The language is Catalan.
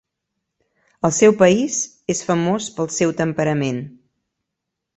Al seu país és famós pel seu temperament.